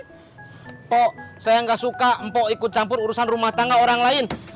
kok saya gak suka empuk ikut campur urusan rumah tangga orang lain